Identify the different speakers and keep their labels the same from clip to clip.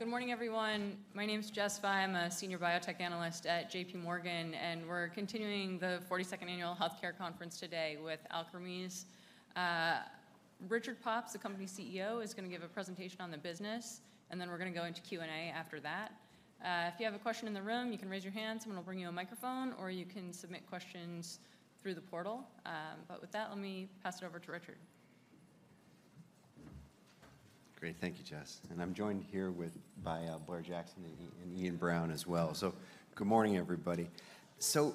Speaker 1: Good morning, everyone. My name is Jessica Fye. I'm a senior biotech analyst at J.P. Morgan, and we're continuing the 42nd Annual Healthcare Conference today with Alkermes. Richard Pops, the company's CEO, is gonna give a presentation on the business, and then we're gonna go into Q&A after that. If you have a question in the room, you can raise your hand, someone will bring you a microphone, or you can submit questions through the portal. But with that, let me pass it over to Richard.
Speaker 2: Great. Thank you, Jess, and I'm joined here with, by, Blair Jackson and Iain Brown as well. So good morning, everybody. So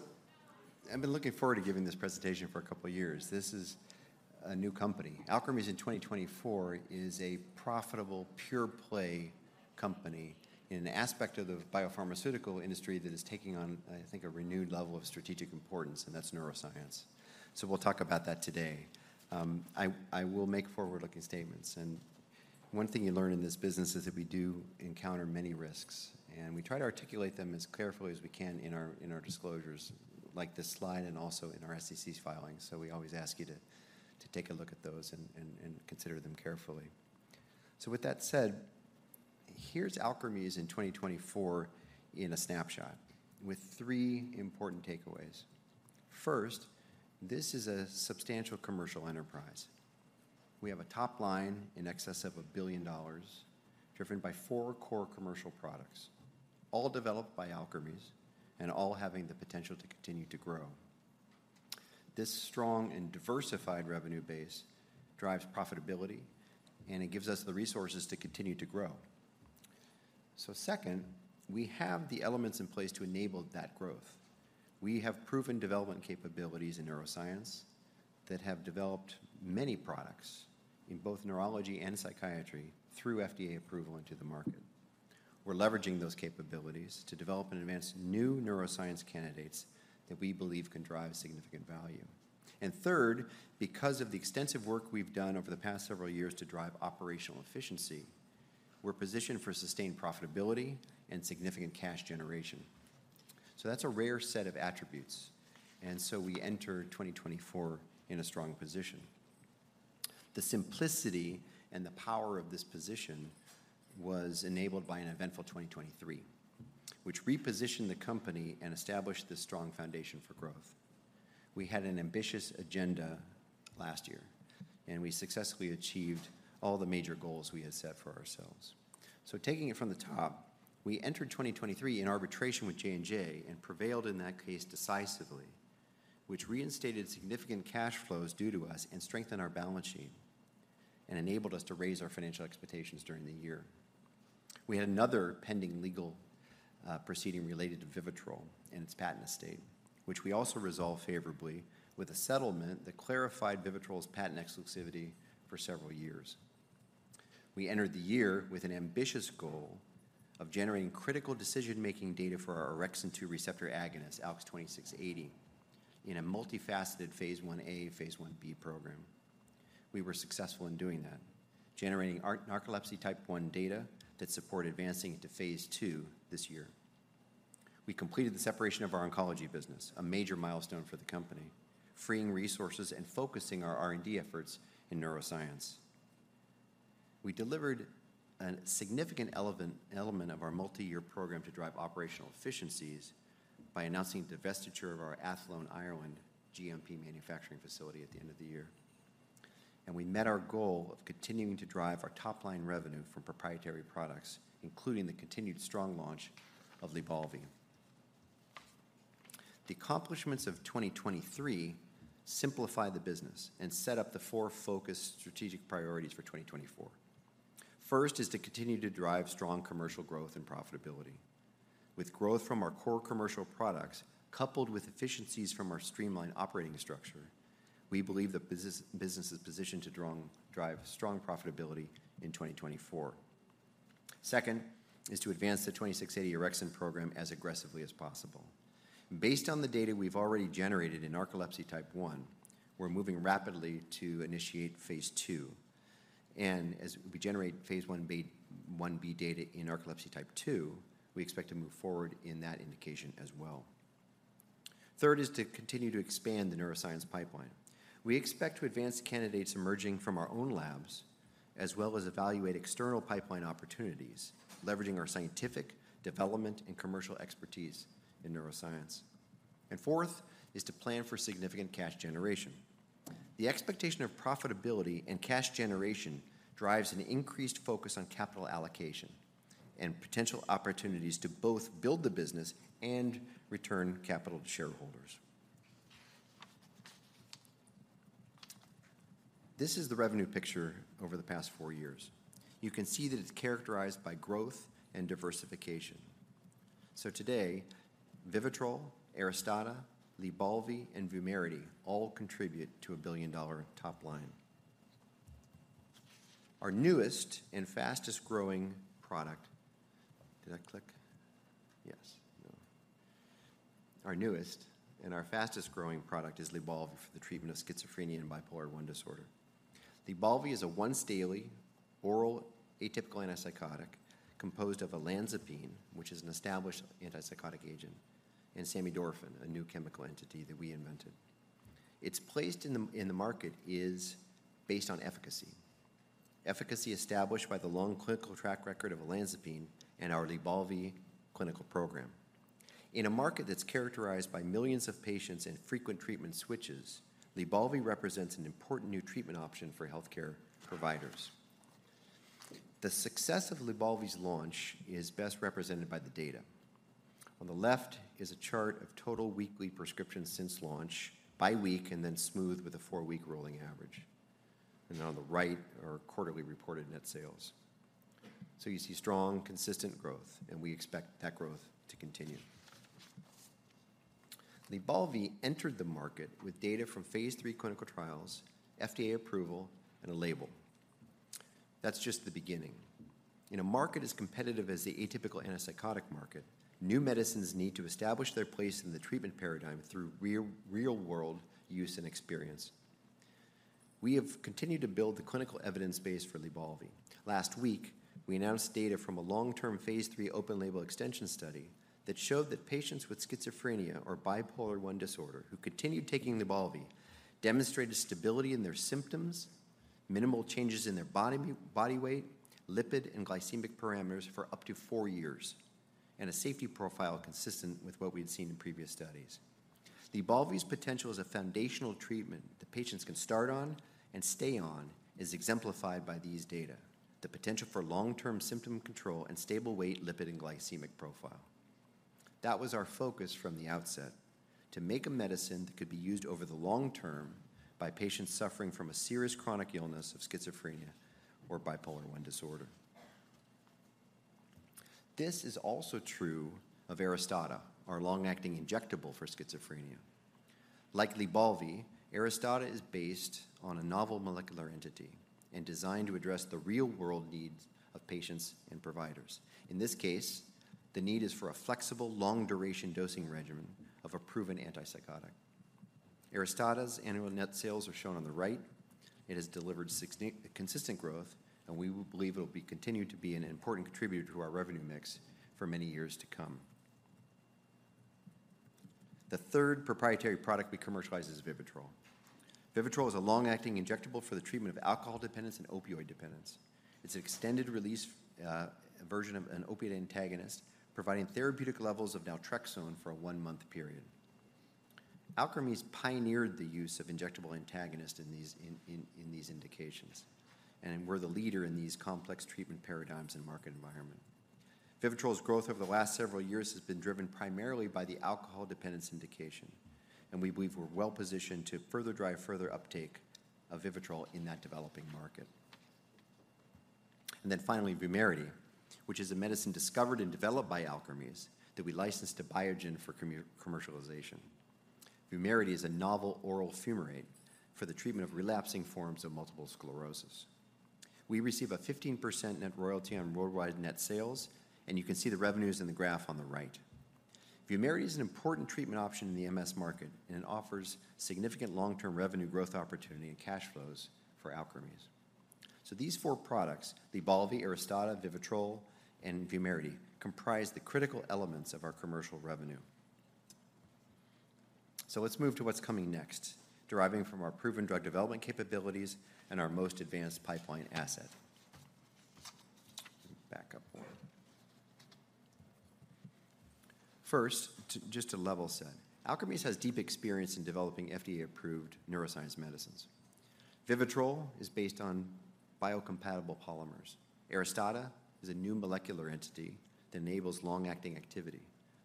Speaker 2: I've been looking forward to giving this presentation for a couple of years. This is a new company. Alkermes in 2024 is a profitable, pure-play company in an aspect of the biopharmaceutical industry that is taking on, I think, a renewed level of strategic importance, and that's neuroscience. So we'll talk about that today. I will make forward-looking statements, and one thing you learn in this business is that we do encounter many risks, and we try to articulate them as carefully as we can in our disclosures, like this slide and also in our SEC filings. So we always ask you to take a look at those and consider them carefully. With that said, here's Alkermes in 2024 in a snapshot with 3 important takeaways. First, this is a substantial commercial enterprise. We have a top line in excess of $1 billion, driven by 4 core commercial products, all developed by Alkermes and all having the potential to continue to grow. This strong and diversified revenue base drives profitability, and it gives us the resources to continue to grow. So second, we have the elements in place to enable that growth. We have proven development capabilities in neuroscience that have developed many products in both neurology and psychiatry through FDA approval into the market. We're leveraging those capabilities to develop and advance new neuroscience candidates that we believe can drive significant value. Third, because of the extensive work we've done over the past several years to drive operational efficiency, we're positioned for sustained profitability and significant cash generation. So that's a rare set of attributes, and so we enter 2024 in a strong position. The simplicity and the power of this position was enabled by an eventful 2023, which repositioned the company and established this strong foundation for growth. We had an ambitious agenda last year, and we successfully achieved all the major goals we had set for ourselves. So taking it from the top, we entered 2023 in arbitration with J&J and prevailed in that case decisively, which reinstated significant cash flows due to us and strengthened our balance sheet and enabled us to raise our financial expectations during the year. We had another pending legal proceeding related to Vivitrol and its patent estate, which we also resolved favorably with a settlement that clarified Vivitrol's patent exclusivity for several years. We entered the year with an ambitious goal of generating critical decision-making data for our orexin-2 receptor agonist, ALKS 2680, in a multifaceted phase Ia/phase Ib program. We were successful in doing that, generating narcolepsy Type 1 data that support advancing it to phase II this year. We completed the separation of our oncology business, a major milestone for the company, freeing resources and focusing our R&D efforts in neuroscience. We delivered a significant element of our multi-year program to drive operational efficiencies by announcing divestiture of our Athlone, Ireland, GMP manufacturing facility at the end of the year. We met our goal of continuing to drive our top-line revenue from proprietary products, including the continued strong launch of Lybalvi. The accomplishments of 2023 simplified the business and set up the four focused strategic priorities for 2024. First is to continue to drive strong commercial growth and profitability. With growth from our core commercial products, coupled with efficiencies from our streamlined operating structure, we believe the business is positioned to drive strong profitability in 2024. Second is to advance the 2680 orexin program as aggressively as possible. Based on the data we've already generated in Narcolepsy Type 1, we're moving rapidly to initiate phase II, and as we generate phase 1b data in Narcolepsy Type 2, we expect to move forward in that indication as well. Third is to continue to expand the neuroscience pipeline. We expect to advance candidates emerging from our own labs, as well as evaluate external pipeline opportunities, leveraging our scientific, development, and commercial expertise in neuroscience. And fourth is to plan for significant cash generation. The expectation of profitability and cash generation drives an increased focus on capital allocation and potential opportunities to both build the business and return capital to shareholders. This is the revenue picture over the past four years. You can see that it's characterized by growth and diversification. So today, Vivitrol, Aristada, Lybalvi, and Vumerity all contribute to a billion-dollar top line. Our newest and fastest-growing product... Did I click? Yes. Our newest and our fastest-growing product is Lybalvi, for the treatment of schizophrenia and bipolar I disorder. Lybalvi is a once-daily oral atypical antipsychotic composed of olanzapine, which is an established antipsychotic agent, and samidorphan, a new chemical entity that we invented. Its place in the market is based on efficacy. Efficacy established by the long clinical track record of olanzapine and our Lybalvi clinical program. In a market that's characterized by millions of patients and frequent treatment switches, Lybalvi represents an important new treatment option for healthcare providers. The success of Lybalvi's launch is best represented by the data. On the left is a chart of total weekly prescriptions since launch, by week, and then smoothed with a four-week rolling average. And then on the right are quarterly reported net sales. So you see strong, consistent growth, and we expect that growth to continue. Lybalvi entered the market with data from phase III clinical trials, FDA approval, and a label. That's just the beginning. In a market as competitive as the atypical antipsychotic market, new medicines need to establish their place in the treatment paradigm through real, real-world use and experience. We have continued to build the clinical evidence base for Lybalvi. Last week, we announced data from a long-term phase III open-label extension study that showed that patients with schizophrenia or bipolar I disorder who continued taking Lybalvidemonstrated stability in their symptoms, minimal changes in their body weight, lipid, and glycemic parameters for up to four years, and a safety profile consistent with what we had seen in previous studies. Lybalvi's potential as a foundational treatment that patients can start on and stay on is exemplified by these data, the potential for long-term symptom control and stable weight, lipid, and glycemic profile. That was our focus from the outset: to make a medicine that could be used over the long term by patients suffering from a serious chronic illness of schizophrenia or bipolar I disorder. This is also true of Aristada, our long-acting injectable for schizophrenia. Like Lybalvi, Aristada is based on a novel molecular entity and designed to address the real-world needs of patients and providers. In this case, the need is for a flexible, long-duration dosing regimen of a proven antipsychotic. Aristada's annual net sales are shown on the right. It has delivered sixty... consistent growth, and we will believe it will be continued to be an important contributor to our revenue mix for many years to come. The third proprietary product we commercialize is Vivitrol. Vivitrol is a long-acting injectable for the treatment of alcohol dependence and opioid dependence. It's an extended-release version of an opiate antagonist, providing therapeutic levels of naltrexone for a one-month period. Alkermes pioneered the use of injectable antagonists in these indications, and we're the leader in these complex treatment paradigms and market environment. Vivitrol's growth over the last several years has been driven primarily by the alcohol dependence indication, and we believe we're well-positioned to further drive further uptake of Vivitrol in that developing market. And then finally, Vumerity, which is a medicine discovered and developed by Alkermes that we licensed to Biogen for commercialization. Vumerity is a novel oral fumarate for the treatment of relapsing forms of multiple sclerosis. We receive a 15% net royalty on worldwide net sales, and you can see the revenues in the graph on the right. VUMERITY is an important treatment option in the MS market, and it offers significant long-term revenue growth opportunity and cash flows for Alkermes. So these four products, LYBALVI, ARISTADA, VIVITROL, and VUMERITY, comprise the critical elements of our commercial revenue. So let's move to what's coming next, deriving from our proven drug development capabilities and our most advanced pipeline asset. Let me back up one. First, just to level set, Alkermes has deep experience in developing FDA-approved neuroscience medicines. VIVITROL is based on biocompatible polymers. ARISTADA is a new molecular entity that enables long-acting activity.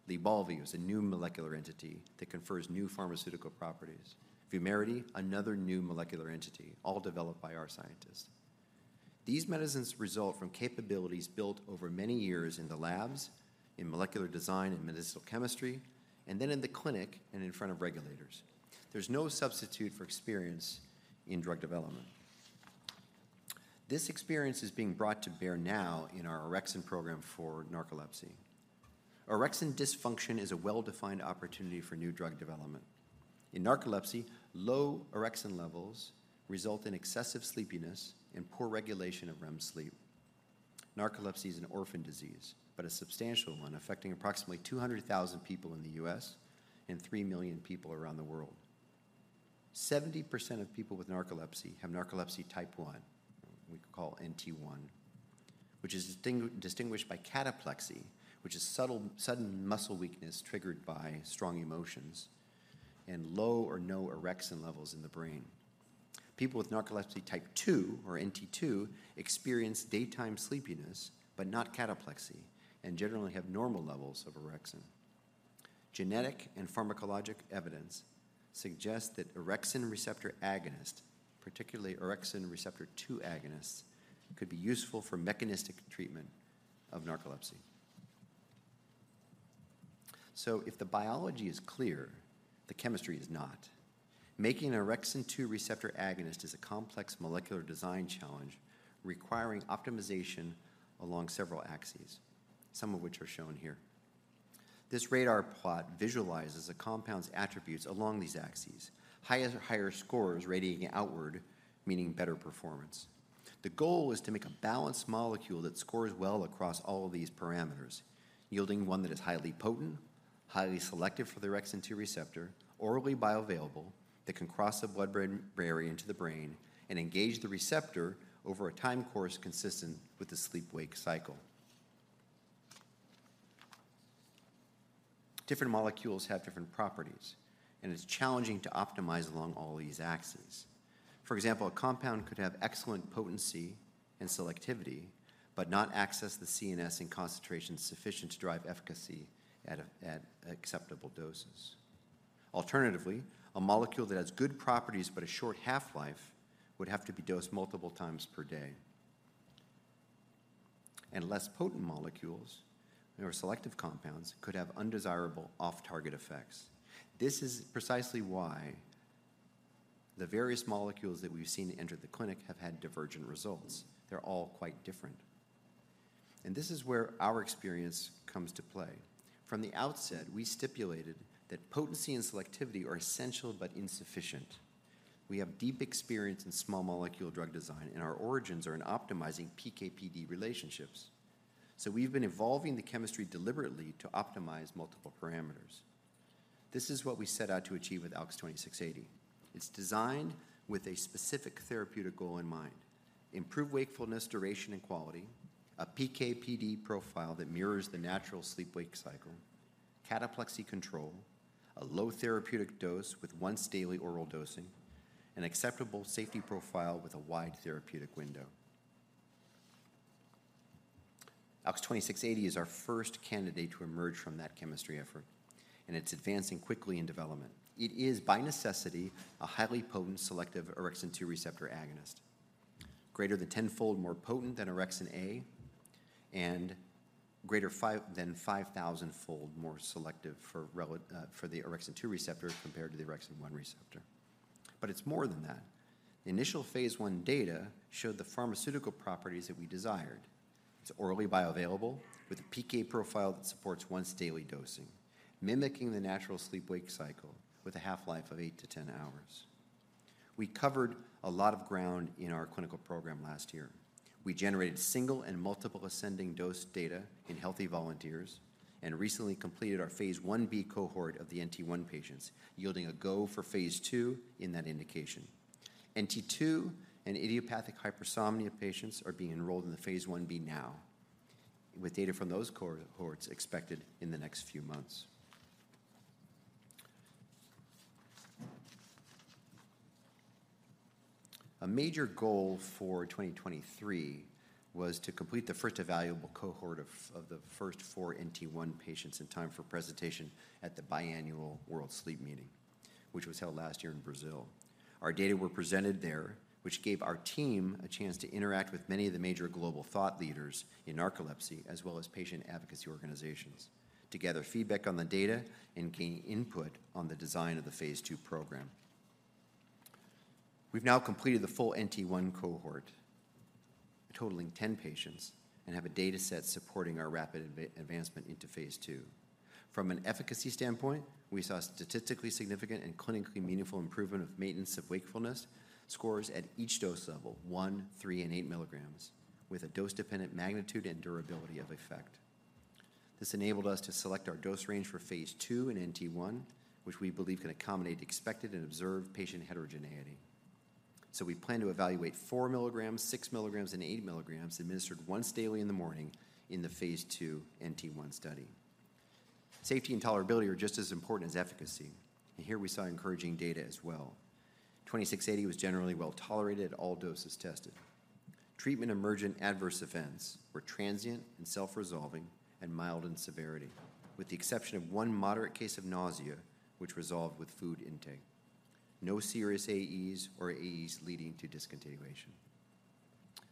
Speaker 2: LYBALVI is a new molecular entity that confers new pharmaceutical properties. VUMERITY, another new molecular entity, all developed by our scientists. These medicines result from capabilities built over many years in the labs, in molecular design and medicinal chemistry, and then in the clinic and in front of regulators. There's no substitute for experience in drug development. This experience is being brought to bear now in our orexin program for narcolepsy. Orexin dysfunction is a well-defined opportunity for new drug development. In narcolepsy, low orexin levels result in excessive sleepiness and poor regulation of REM sleep. Narcolepsy is an orphan disease, but a substantial one, affecting approximately 200,000 people in the U.S. and 3 million people around the world. 70% of people with narcolepsy have narcolepsy Type 1, we call NT1, which is distinguished by cataplexy, which is sudden muscle weakness triggered by strong emotions, and low or no orexin levels in the brain. People with narcolepsy Type 2, or NT2, experience daytime sleepiness but not cataplexy and generally have normal levels of orexin. Genetic and pharmacologic evidence suggest that orexin receptor agonist, particularly orexin-2 receptor agonists, could be useful for mechanistic treatment of narcolepsy. If the biology is clear, the chemistry is not. Making an orexin-2 receptor agonist is a complex molecular design challenge requiring optimization along several axes, some of which are shown here. This radar plot visualizes a compound's attributes along these axes, higher, higher scores radiating outward, meaning better performance. The goal is to make a balanced molecule that scores well across all of these parameters, yielding one that is highly potent, highly selective for the orexin-2 receptor, orally bioavailable, that can cross the blood-brain barrier into the brain, and engage the receptor over a time course consistent with the sleep-wake cycle. Different molecules have different properties, and it's challenging to optimize along all these axes. For example, a compound could have excellent potency and selectivity, but not access the CNS in concentrations sufficient to drive efficacy at acceptable doses. Alternatively, a molecule that has good properties but a short half-life would have to be dosed multiple times per day. And less potent molecules or selective compounds could have undesirable off-target effects. This is precisely why the various molecules that we've seen enter the clinic have had divergent results. They're all quite different. And this is where our experience comes to play. From the outset, we stipulated that potency and selectivity are essential but insufficient. We have deep experience in small molecule drug design, and our origins are in optimizing PK/PD relationships. So we've been evolving the chemistry deliberately to optimize multiple parameters. This is what we set out to achieve with ALKS 2680. It's designed with a specific therapeutic goal in mind: improved wakefulness, duration, and quality, a PK/PD profile that mirrors the natural sleep-wake cycle, cataplexy control, a low therapeutic dose with once-daily oral dosing, an acceptable safety profile with a wide therapeutic window. ALKS 2680 is our first candidate to emerge from that chemistry effort, and it's advancing quickly in development. It is, by necessity, a highly potent, selective orexin-2 receptor agonist, greater than tenfold more potent than orexin-A and greater 5, than 5,000-fold more selective for the orexin-2 receptor compared to the orexin-1 receptor. But it's more than that. The initial phase I data showed the pharmaceutical properties that we desired. It's orally bioavailable with a PK profile that supports once-daily dosing, mimicking the natural sleep-wake cycle with a half-life of 8-10 hours. We covered a lot of ground in our clinical program last year. We generated single and multiple ascending dose data in healthy volunteers and recently completed our phase 1b cohort of the NT-1 patients, yielding a go for phase 2 in that indication. NT-2 and idiopathic hypersomnia patients are being enrolled in the phase 1b now, with data from those cohorts expected in the next few months. A major goal for 2023 was to complete the first evaluable cohort of the first four NT-1 patients in time for presentation at the biannual World Sleep Meeting, which was held last year in Brazil. Our data were presented there, which gave our team a chance to interact with many of the major global thought leaders in narcolepsy, as well as patient advocacy organizations, to gather feedback on the data and gain input on the design of the phase II program. We've now completed the full NT-1 cohort, totaling 10 patients, and have a data set supporting our rapid advancement into phase II. From an efficacy standpoint, we saw statistically significant and clinically meaningful improvement of maintenance of wakefulness scores at each dose level, 1, 3, and 8 milligrams, with a dose-dependent magnitude and durability of effect. This enabled us to select our dose range for phase II in NT-1, which we believe can accommodate expected and observed patient heterogeneity. So we plan to evaluate 4 milligrams, 6 milligrams, and 8 milligrams administered once daily in the morning in the phase II NT-1 study. Safety and tolerability are just as important as efficacy, and here we saw encouraging data as well. 2680 was generally well-tolerated at all doses tested. Treatment-emergent adverse events were transient and self-resolving and mild in severity, with the exception of one moderate case of nausea, which resolved with food intake. No serious AEs or AEs leading to discontinuation.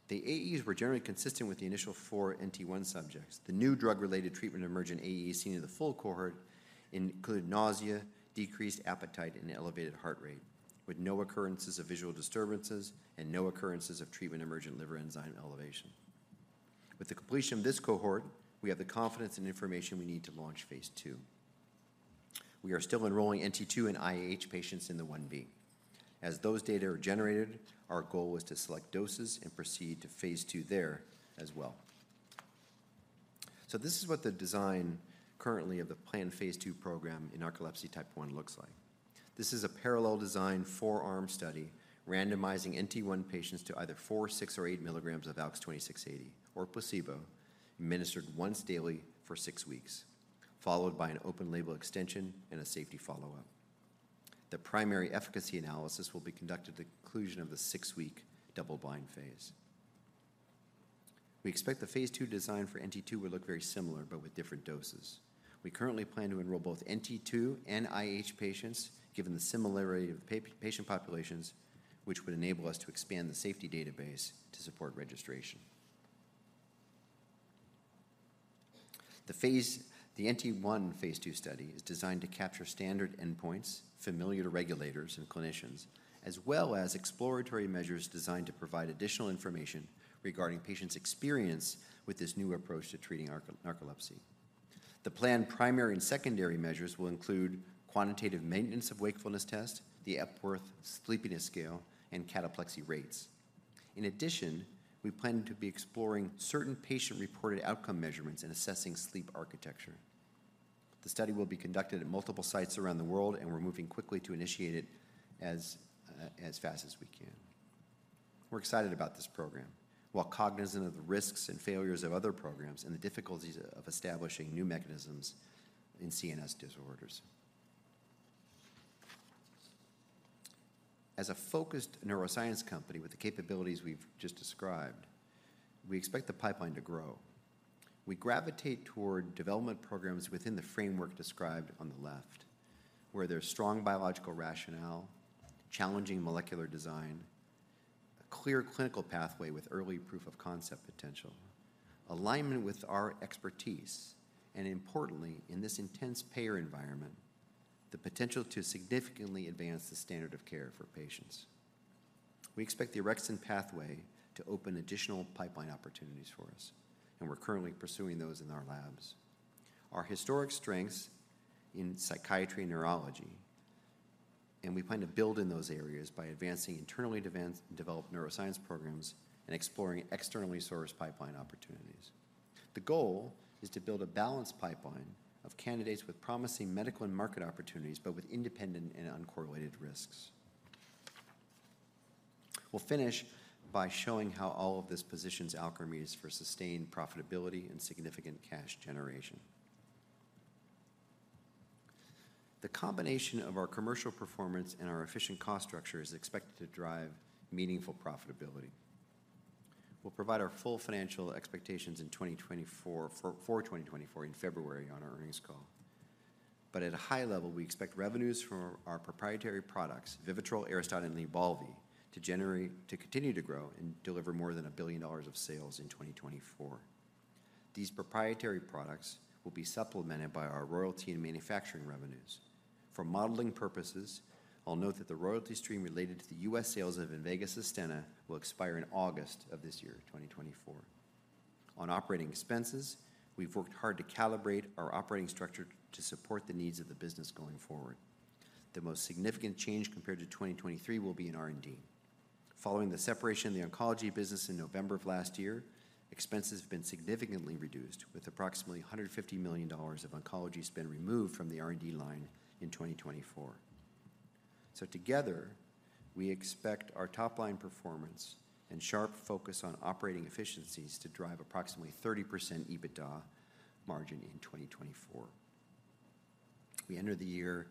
Speaker 2: The AEs were generally consistent with the initial four NT-1 subjects. The new drug-related treatment-emergent AEs seen in the full cohort included nausea, decreased appetite, and elevated heart rate, with no occurrences of visual disturbances and no occurrences of treatment-emergent liver enzyme elevation. With the completion of this cohort, we have the confidence and information we need to launch phase II. We are still enrolling NT-2 and IH patients in the Ib. As those data are generated, our goal is to select doses and proceed to phase II there as well. So this is what the design currently of the planned phase II program in narcolepsy Type 1 looks like. This is a parallel design, four-arm study, randomizing NT-1 patients to either 4, 6, or 8 milligrams of ALKS 2680 or placebo, administered once daily for 6 weeks, followed by an open-label extension and a safety follow-up. The primary efficacy analysis will be conducted at the conclusion of the six-week double-blind phase. We expect the phase II design for NT-2 will look very similar, but with different doses. We currently plan to enroll both NT-2 and IH patients, given the similarity of patient populations, which would enable us to expand the safety database to support registration. The NT-1 phase II study is designed to capture standard endpoints familiar to regulators and clinicians, as well as exploratory measures designed to provide additional information regarding patients' experience with this new approach to treating narcolepsy. The planned primary and secondary measures will include quantitative Maintenance of Wakefulness Test, the Epworth Sleepiness Scale, and cataplexy rates. In addition, we plan to be exploring certain patient-reported outcome measurements in assessing sleep architecture. The study will be conducted at multiple sites around the world, and we're moving quickly to initiate it as fast as we can. We're excited about this program, while cognizant of the risks and failures of other programs and the difficulties of establishing new mechanisms in CNS disorders. As a focused neuroscience company with the capabilities we've just described, we expect the pipeline to grow. We gravitate toward development programs within the framework described on the left, where there's strong biological rationale, challenging molecular design, a clear clinical pathway with early proof-of-concept potential, alignment with our expertise, and importantly, in this intense payer environment, the potential to significantly advance the standard of care for patients. We expect the orexin pathway to open additional pipeline opportunities for us, and we're currently pursuing those in our labs. Our historic strengths in psychiatry and neurology, and we plan to build in those areas by advancing internally developed neuroscience programs and exploring externally sourced pipeline opportunities. The goal is to build a balanced pipeline of candidates with promising medical and market opportunities, but with independent and uncorrelated risks. We'll finish by showing how all of this positions Alkermes for sustained profitability and significant cash generation. The combination of our commercial performance and our efficient cost structure is expected to drive meaningful profitability. We'll provide our full financial expectations for 2024 in February on our earnings call. But at a high level, we expect revenues from our proprietary products, VIVITROL, ARISTADA, and LYBALVI, to continue to grow and deliver more than $1 billion of sales in 2024. These proprietary products will be supplemented by our royalty and manufacturing revenues. For modeling purposes, I'll note that the royalty stream related to the U.S. sales of Invega Sustenna will expire in August of this year, 2024. On operating expenses, we've worked hard to calibrate our operating structure to support the needs of the business going forward. The most significant change compared to 2023 will be in R&D. Following the separation of the oncology business in November of last year, expenses have been significantly reduced, with approximately $150 million of oncology spend removed from the R&D line in 2024. So together, we expect our top-line performance and sharp focus on operating efficiencies to drive approximately 30% EBITDA margin in 2024. We enter the year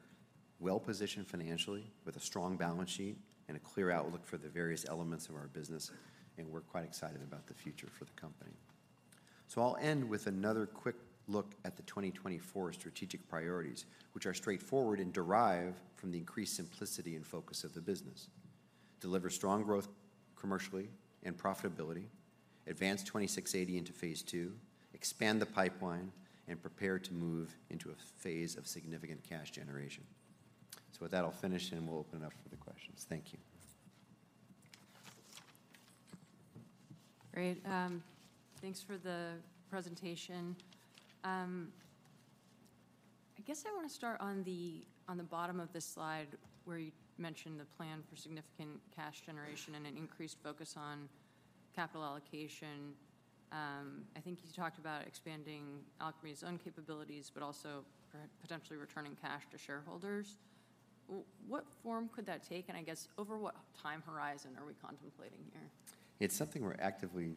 Speaker 2: well-positioned financially, with a strong balance sheet and a clear outlook for the various elements of our business, and we're quite excited about the future for the company. So I'll end with another quick look at the 2024 strategic priorities, which are straightforward and derive from the increased simplicity and focus of the business: deliver strong growth commercially and profitability, advance 2680 into phase II, expand the pipeline, and prepare to move into a phase of significant cash generation. With that, I'll finish, and we'll open it up for the questions. Thank you.
Speaker 1: Great. Thanks for the presentation. I guess I wanna start on the bottom of this slide, where you mentioned the plan for significant cash generation and an increased focus on capital allocation. I think you talked about expanding Alkermes' own capabilities, but also potentially returning cash to shareholders. What form could that take, and I guess over what time horizon are we contemplating here?
Speaker 2: It's something we're actively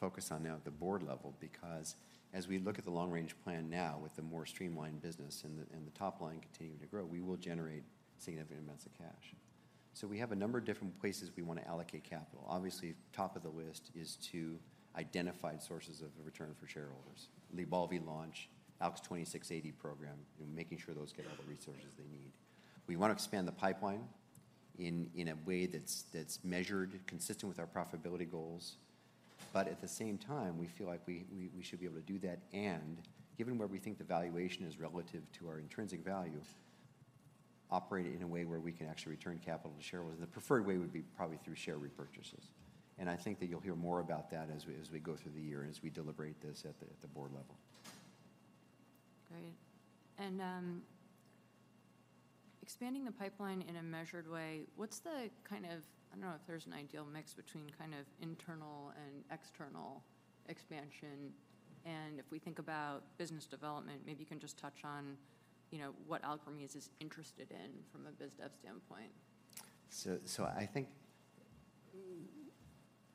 Speaker 2: focused on now at the board level because as we look at the long-range plan now, with the more streamlined business and the top line continuing to grow, we will generate significant amounts of cash. So we have a number of different places we wanna allocate capital. Obviously, top of the list is to identify sources of a return for shareholders: LYBALVI launch, ALKS 2680 program, and making sure those get all the resources they need. We want to expand the pipeline in a way that's measured, consistent with our profitability goals. But at the same time, we feel like we should be able to do that and, given where we think the valuation is relative to our intrinsic value, operate it in a way where we can actually return capital to shareholders, and the preferred way would be probably through share repurchases. And I think that you'll hear more about that as we go through the year and as we deliberate this at the board level.
Speaker 1: Great. And, expanding the pipeline in a measured way, what's the kind of... I don't know if there's an ideal mix between kind of internal and external expansion, and if we think about business development, maybe you can just touch on, you know, what Alkermes is interested in from a biz dev standpoint.
Speaker 2: I think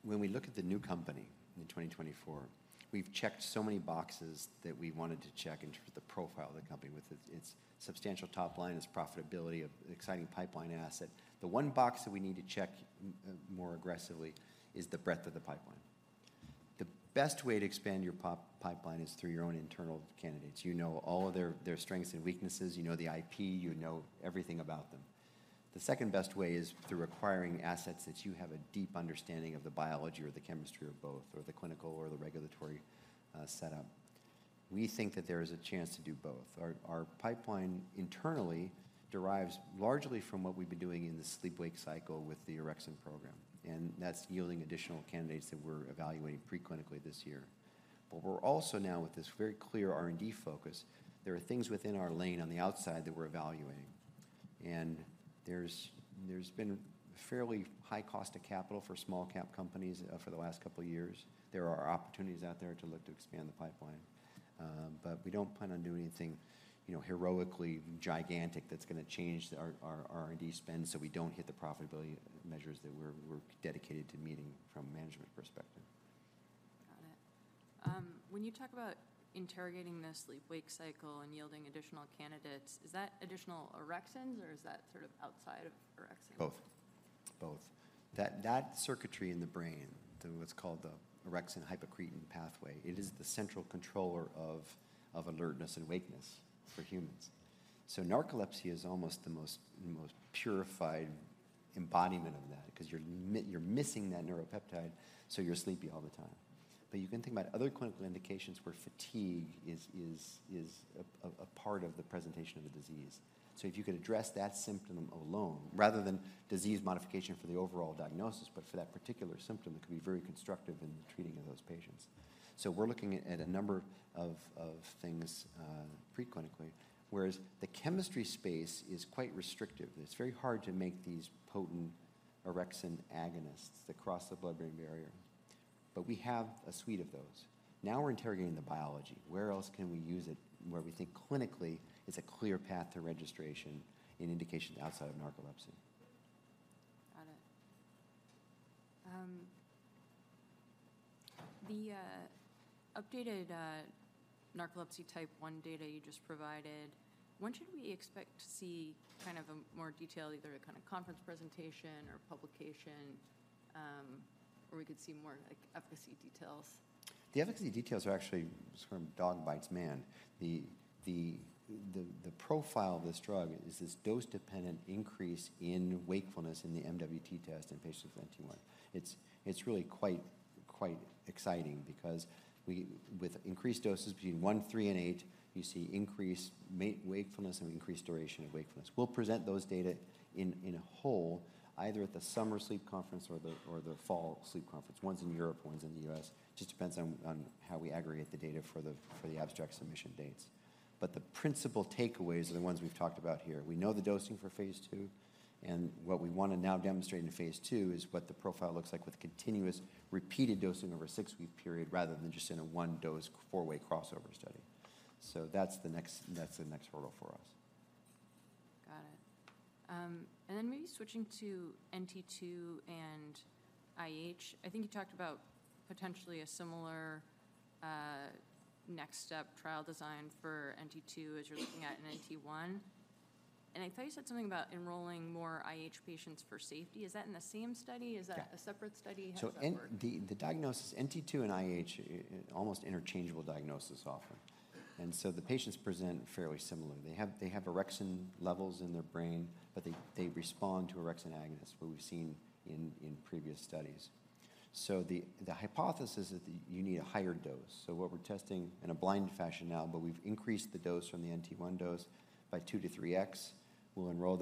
Speaker 2: when we look at the new company in 2024, we've checked so many boxes that we wanted to check in terms of the profile of the company, with its substantial top line, its profitability, exciting pipeline asset. The one box that we need to check more aggressively is the breadth of the pipeline. The best way to expand your pipeline is through your own internal candidates. You know all of their strengths and weaknesses, you know the IP, you know everything about them. The second-best way is through acquiring assets that you have a deep understanding of the biology or the chemistry of both, or the clinical or the regulatory setup. We think that there is a chance to do both. Our pipeline internally derives largely from what we've been doing in the sleep-wake cycle with the orexin program, and that's yielding additional candidates that we're evaluating preclinically this year. But we're also now, with this very clear R&D focus, there are things within our lane on the outside that we're evaluating. And there's been fairly high cost of capital for small cap companies for the last couple of years. There are opportunities out there to look to expand the pipeline, but we don't plan on doing anything, you know, heroically gigantic that's gonna change our R&D spend, so we don't hit the profitability measures that we're dedicated to meeting from a management perspective.
Speaker 1: Got it. When you talk about interrogating the sleep-wake cycle and yielding additional candidates, is that additional orexins, or is that sort of outside of orexins?
Speaker 2: Both. That circuitry in the brain, what's called the Orexin/hypocretin pathway, it is the central controller of alertness and wakefulness for humans. So narcolepsy is almost the most purified embodiment of that, 'cause you're missing that neuropeptide, so you're sleepy all the time. But you can think about other clinical indications where fatigue is a part of the presentation of the disease. So if you could address that symptom alone, rather than disease modification for the overall diagnosis, but for that particular symptom, it could be very constructive in the treating of those patients. So we're looking at a number of things preclinically, whereas the chemistry space is quite restrictive. It's very hard to make these potent orexin agonists that cross the blood-brain barrier, but we have a suite of those. Now, we're interrogating the biology. Where else can we use it, where we think clinically it's a clear path to registration and indication outside of narcolepsy?
Speaker 1: Got it. The updated narcolepsy Type 1 data you just provided, when should we expect to see kind of a more detailed, either a kind of conference presentation or publication, where we could see more, like, efficacy details?
Speaker 2: The efficacy details are actually sort of dog bites man. The profile of this drug is this dose-dependent increase in wakefulness in the MWT test in patients with NT1. It's really quite exciting because we with increased doses between 1, 3, and 8, you see increased wakefulness and increased duration of wakefulness. We'll present those data in whole, either at the Summer Sleep Conference or the Fall Sleep Conference. One's in Europe, one's in the US, just depends on how we aggregate the data for the abstract submission dates. But the principal takeaways are the ones we've talked about here. We know the dosing for phase II, and what we wanna now demonstrate in phase II is what the profile looks like with continuous, repeated dosing over a six-week period, rather than just in a one-dose, four-way crossover study. That's the next, that's the next hurdle for us.
Speaker 1: Got it. And then maybe switching to NT2 and IH. I think you talked about potentially a similar next step trial design for NT2 as you're looking at in NT1. And I thought you said something about enrolling more IH patients for safety. Is that in the same study?
Speaker 2: Yeah.
Speaker 1: Is that a separate study? How does that work?
Speaker 2: So in the diagnosis, NT2 and IH, almost interchangeable diagnoses often, and so the patients present fairly similarly. They have orexin levels in their brain, but they respond to orexin agonists, what we've seen in previous studies. So the hypothesis is that you need a higher dose. So what we're testing in a blind fashion now, but we've increased the dose from the NT1 dose by 2-3x. We'll enroll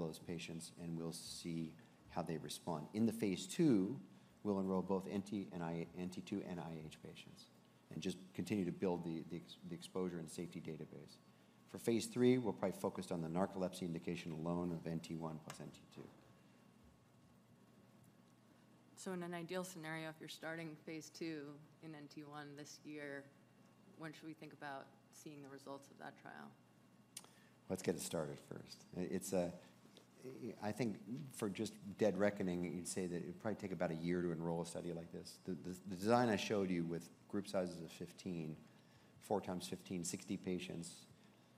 Speaker 2: those patients, and we'll see how they respond. In the phase II, we'll enroll both NT2 and IH patients and just continue to build the exposure and safety database. For phase III, we'll probably focus on the narcolepsy indication alone of NT1 plus NT2.
Speaker 1: So in an ideal scenario, if you're starting phase II in NT1 this year, when should we think about seeing the results of that trial?
Speaker 2: Let's get it started first. I think for just dead reckoning, you'd say that it'd probably take about a year to enroll a study like this. The design I showed you with group sizes of 15, 4 times 15, 60 patients,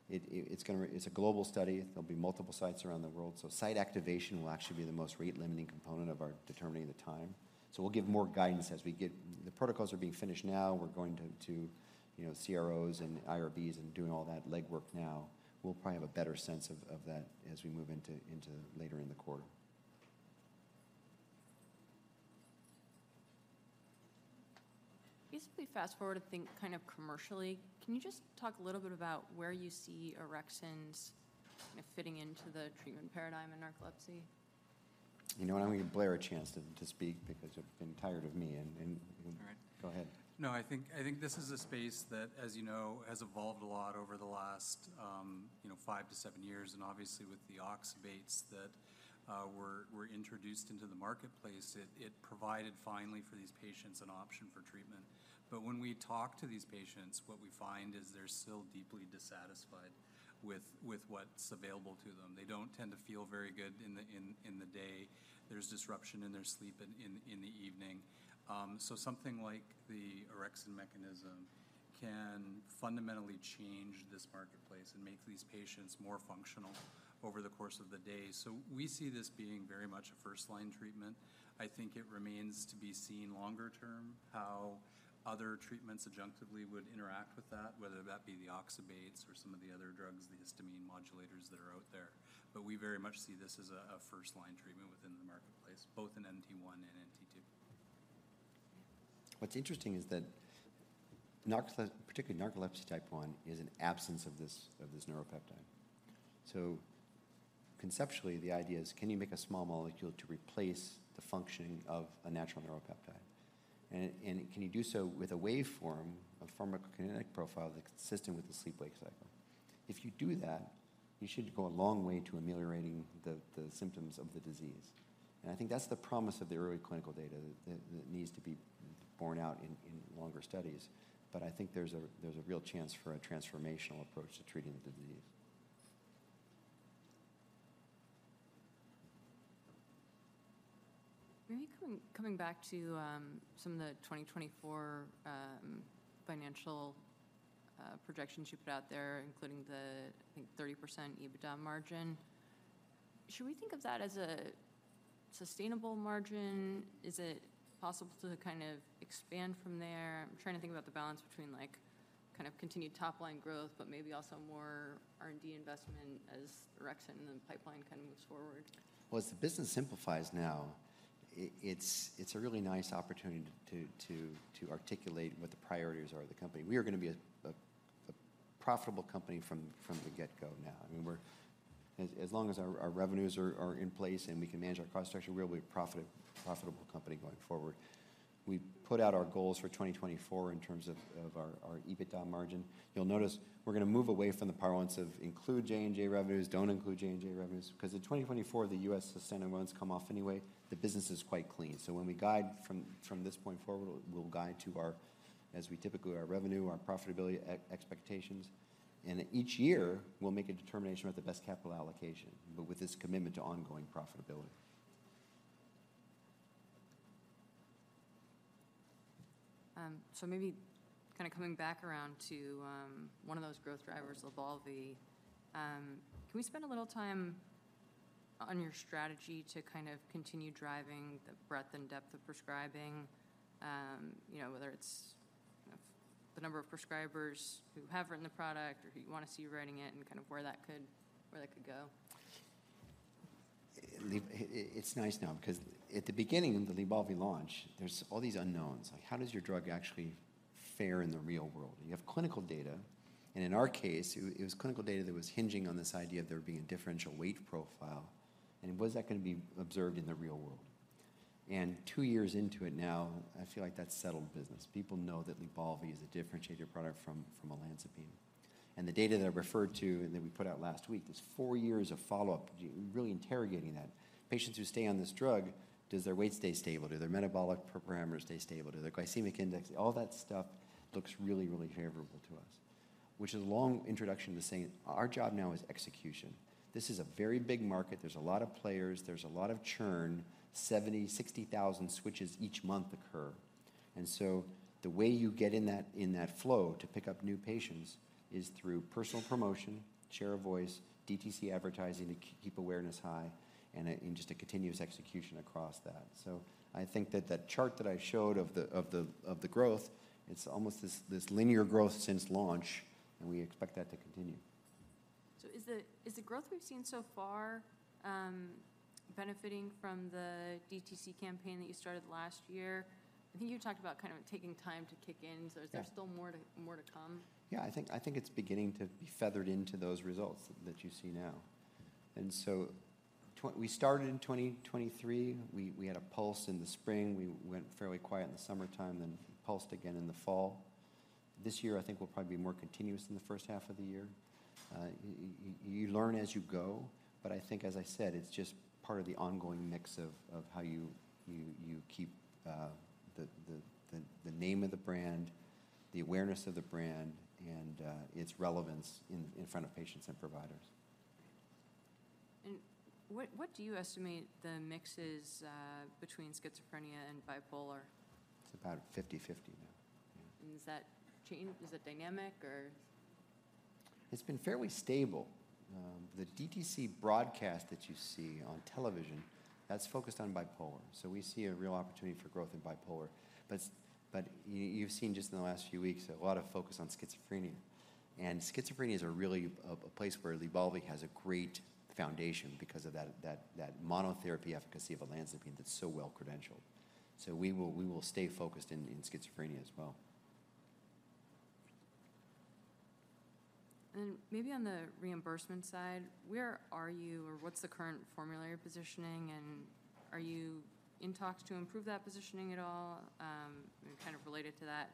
Speaker 2: it's gonna. It's a global study. There'll be multiple sites around the world, so site activation will actually be the most rate-limiting component of our determining the time. So we'll give more guidance as we get. The protocols are being finished now. We're going to you know, CROs and IRBs and doing all that legwork now. We'll probably have a better sense of that as we move into later in the quarter.
Speaker 1: If we fast-forward and think kind of commercially, can you just talk a little bit about where you see orexins fitting into the treatment paradigm in narcolepsy?
Speaker 2: You know what? I'm gonna give Blair a chance to speak because you've been tired of me and—
Speaker 1: All right.
Speaker 2: Go ahead.
Speaker 3: No, I think, I think this is a space that, as you know, has evolved a lot over the last, you know, 5-7 years, and obviously with the oxybates that were introduced into the marketplace, it provided finally for these patients an option for treatment. But when we talk to these patients, what we find is they're still deeply dissatisfied with what's available to them. They don't tend to feel very good in the day. There's disruption in their sleep in the evening. So something like the orexin mechanism can fundamentally change this marketplace and make these patients more functional over the course of the day. So we see this being very much a first-line treatment. I think it remains to be seen longer term, how other treatments adjunctively would interact with that, whether that be the oxybates or some of the other drugs, the histamine modulators that are out there. But we very much see this as a first-line treatment within the marketplace, both in NT1 and NT2.
Speaker 2: What's interesting is that narcolepsy, particularly Narcolepsy Type 1, is an absence of this neuropeptide. So conceptually, the idea is: Can you make a small molecule to replace the functioning of a natural neuropeptide?... and can you do so with a waveform, a pharmacokinetic profile that's consistent with the sleep-wake cycle? If you do that, you should go a long way to ameliorating the symptoms of the disease. And I think that's the promise of the early clinical data that needs to be borne out in longer studies. But I think there's a real chance for a transformational approach to treating the disease.
Speaker 1: Maybe coming back to some of the 2024 financial projections you put out there, including the, I think, 30% EBITDA margin. Should we think of that as a sustainable margin? Is it possible to kind of expand from there? I'm trying to think about the balance between, like, kind of continued top-line growth, but maybe also more R&D investment as orexin in the pipeline kind of moves forward.
Speaker 2: Well, as the business simplifies now, it's a really nice opportunity to articulate what the priorities are of the company. We are gonna be a profitable company from the get-go now. I mean, we're, as long as our revenues are in place and we can manage our cost structure, we'll be a profitable company going forward. We put out our goals for 2024 in terms of our EBITDA margin. You'll notice we're gonna move away from the parlance of include J&J revenues, don't include J&J revenues, 'cause in 2024, the U.S. settlements come off anyway. The business is quite clean. So when we guide from this point forward, we'll guide to our... As we typically our revenue, our profitability expectations, and each year we'll make a determination about the best capital allocation, but with this commitment to ongoing profitability.
Speaker 1: So maybe kinda coming back around to one of those growth drivers, LYBALVI, can we spend a little time on your strategy to kind of continue driving the breadth and depth of prescribing? You know, whether it's the number of prescribers who have written the product or who you wanna see writing it, and kind of where that could go.
Speaker 2: It's nice now because at the beginning of the LYBALVI launch, there's all these unknowns, like, how does your drug actually fare in the real world? You have clinical data, and in our case, it was clinical data that was hinging on this idea of there being a differential weight profile, and was that gonna be observed in the real world? And two years into it now, I feel like that's settled business. People know that LYBALVI is a differentiated product from, from olanzapine. And the data that I referred to and that we put out last week is four years of follow-up, really interrogating that. Patients who stay on this drug, does their weight stay stable? Do their metabolic parameters stay stable? Do their glycemic index... All that stuff looks really, really favorable to us, which is a long introduction to saying our job now is execution. This is a very big market. There's a lot of players. There's a lot of churn. 60,000 switches each month occur, and so the way you get in that flow to pick up new patients is through personal promotion, share of voice, DTC advertising to keep awareness high, and just a continuous execution across that. So I think that chart that I showed of the growth, it's almost this linear growth since launch, and we expect that to continue.
Speaker 1: So is the growth we've seen so far benefiting from the DTC campaign that you started last year? I think you talked about kind of it taking time to kick in.
Speaker 2: Yeah.
Speaker 1: So is there still more to come?
Speaker 2: Yeah, I think it's beginning to be feathered into those results that you see now. And so we started in 2023. We had a pulse in the spring. We went fairly quiet in the summertime, then pulsed again in the fall. This year, I think we'll probably be more continuous in the first half of the year. You learn as you go, but I think, as I said, it's just part of the ongoing mix of how you keep the name of the brand, the awareness of the brand, and its relevance in front of patients and providers.
Speaker 1: What do you estimate the mix is between schizophrenia and bipolar?
Speaker 2: It's about 50/50 now. Yeah.
Speaker 1: Does that change? Is it dynamic or...
Speaker 2: It's been fairly stable. The DTC broadcast that you see on television, that's focused on bipolar, so we see a real opportunity for growth in bipolar. But you've seen just in the last few weeks, a lot of focus on schizophrenia, and schizophrenia is really a place where LYBALVI has a great foundation because of that monotherapy efficacy of Olanzapine that's so well-credentialed. So we will stay focused in schizophrenia as well.
Speaker 1: Maybe on the reimbursement side, where are you, or what's the current formulary positioning, and are you in talks to improve that positioning at all? And kind of related to that,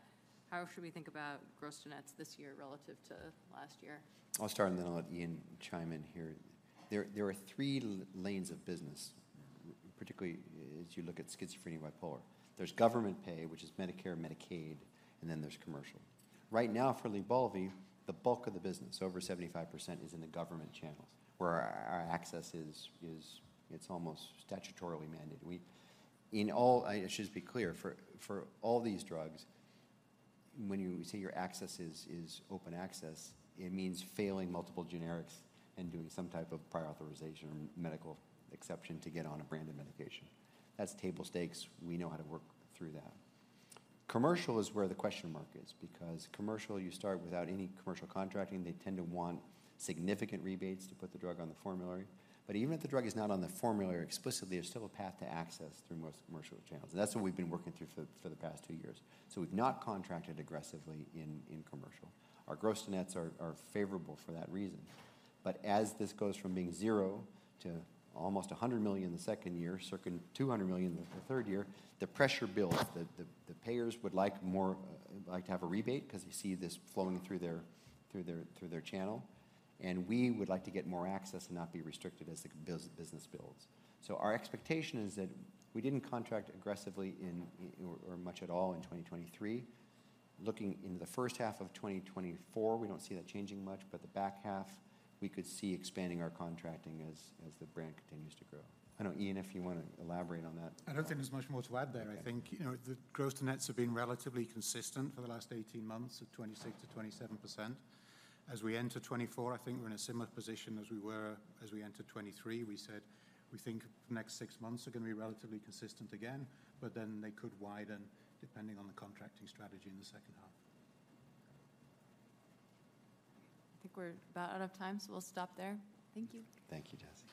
Speaker 1: how should we think about gross-to-net this year relative to last year?
Speaker 2: I'll start, and then I'll let Iain chime in here. There are three lanes of business, particularly as you look at schizophrenia and bipolar. There's government pay, which is Medicare, Medicaid, and then there's commercial. Right now, for Lybalvi, the bulk of the business, over 75%, is in the government channels, where our access is almost statutorily mandated. In all, I should just be clear, for all these drugs, when you say your access is open access, it means failing multiple generics and doing some type of prior authorization or medical exception to get on a branded medication. That's table stakes. We know how to work through that. Commercial is where the question mark is because commercial, you start without any commercial contracting. They tend to want significant rebates to put the drug on the formulary. But even if the drug is not on the formulary explicitly, there's still a path to access through most commercial channels, and that's what we've been working through for the past two years. So we've not contracted aggressively in commercial. Our gross to nets are favorable for that reason. But as this goes from being zero to almost $100 million in the second year, circling $200 million in the third year, the pressure builds. The payers would like more, like to have a rebate because they see this flowing through their channel, and we would like to get more access and not be restricted as the business builds. So our expectation is that we didn't contract aggressively or much at all in 2023. Looking into the first half of 2024, we don't see that changing much, but the back half, we could see expanding our contracting as the brand continues to grow. I know, Iain, if you wanna elaborate on that?
Speaker 4: I don't think there's much more to add there.
Speaker 2: Okay.
Speaker 4: I think, you know, the gross to nets have been relatively consistent for the last 18 months of 26%-27%. As we enter 2024, I think we're in a similar position as we were as we entered 2023. We said we think the next 6 months are gonna be relatively consistent again, but then they could widen, depending on the contracting strategy in the second half.
Speaker 1: I think we're about out of time, so we'll stop there. Thank you.
Speaker 2: Thank you, Jessica.